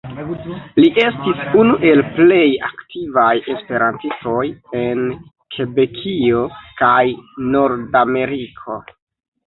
Li estis unu el plej aktivaj esperantistoj en Kebekio kaj Nordameriko.